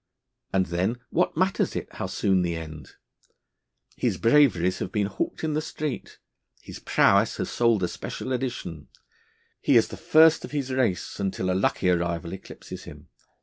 And then, what matters it how soon the end? His braveries have been hawked in the street; his prowess has sold a Special Edition; he is the first of his race, until a luckier rival eclipses him.